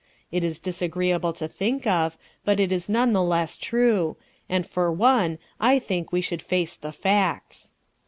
It is disagreeable to think of, but it is none the less true, and for one I think we should face the facts.